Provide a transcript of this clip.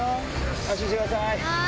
安心してください。